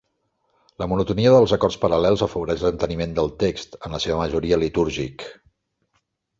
La monotonia dels acords paral·lels afavoreix l'enteniment del text, en la seva majoria litúrgic.